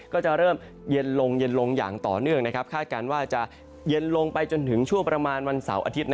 ก็จะเริ่มเย็นลงเย็นลงอย่างต่อเนื่องคาดการณ์ว่าจะเย็นลงไปจนถึงช่วงประมาณวันเสาร์อาทิตย์